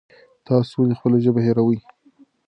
تاسو ولې خپله ژبه هېروئ؟